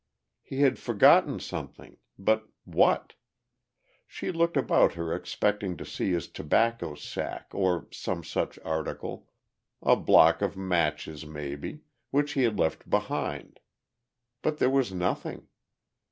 He had forgotten something; but what? She looked about her expecting to see his tobacco sack or some such article, a block of matches, maybe, which he had left behind. But there was nothing.